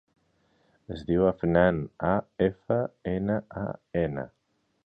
Es diu Afnan: a, efa, ena, a, ena.